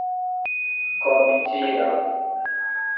komputila